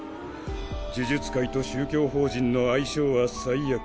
呪術界と宗教法人の相性は最悪。